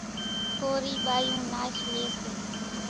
ڪورِي ٻايوُن ناش ليئيَ سي۔